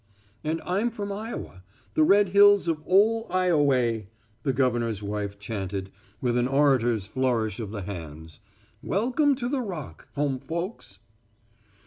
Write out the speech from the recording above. "And I'm from Iowa the red hills of ole Ioway," the governor's wife chanted, with an orator's flourish of the hands. "Welcome to the Rock, home folks!"